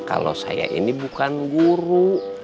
kalau saya ini bukan guru